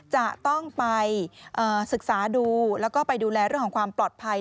จะต้องไปศึกษาดูแล้วก็ไปดูแลเรื่องของความปลอดภัย